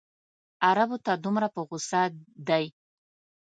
عربو ته دومره په غوسه دی.